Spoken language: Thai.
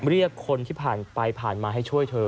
เรียกคนที่ผ่านไปผ่านมาให้ช่วยเธอ